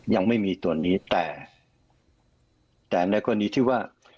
ยังไม่มีตัวนี้แต่แต่ในกรณีที่ว่า